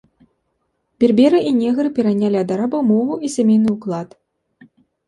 Берберы і негры перанялі ад арабаў мову і сямейны ўклад.